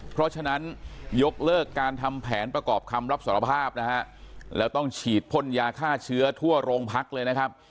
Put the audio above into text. เพราะฉะนั้นยกเลิกการทำแผนประกอบคำรับสารภาพนะฮะแล้วต้องฉีดพ่นยาฆ่าเชื้อทั่วโรงพักเลยนะครับ